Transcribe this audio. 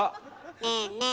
ねえねえ